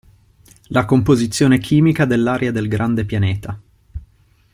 La composizione chimica dell'aria del grande pianeta.